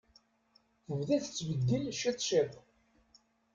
Tebda tettbeddil ciṭ ciṭ.